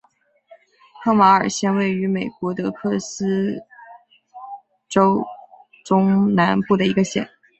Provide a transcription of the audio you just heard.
科马尔县位美国德克萨斯州中南部的一个县。